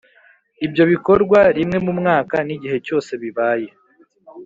Ibyo bikorwa rimwe mu mwaka n’igihe cyose bibaye